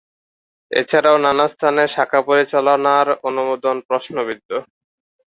এছাড়াও এর নানা স্থানে শাখা পরিচালনার অনুমোদন প্রশ্নবিদ্ধ।